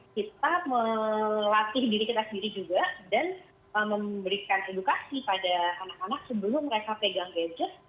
kita melatih diri kita sendiri juga dan memberikan edukasi pada anak anak sebelum mereka pegang gadget